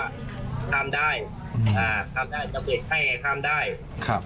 บักมือบอกว่าข้ามได้อ่าข้ามได้จะเบรกให้ข้ามได้ครับ